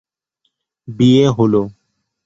বিয়ে হল।